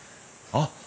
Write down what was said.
あっ！